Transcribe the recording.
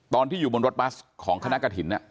ตอนที่อยู่บนรถบัสของคณะกระถิ่น